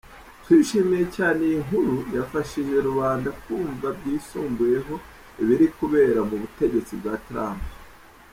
"Twishimiye cyane iyi nkuru yafashije rubanda kumva byisumbuyeho ibiri kubera mu butegetsi bwa Trump.